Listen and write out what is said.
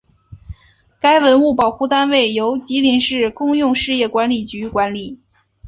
该文物保护单位由吉林市公用事业管理局管理。